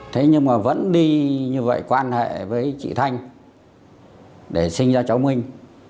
thế nhưng mà vẫn đi như vậy quan hệ với chị thanh để sinh ra cháu minh